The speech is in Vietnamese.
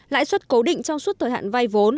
lãi suất cố định trong suốt thời hạn vay vốn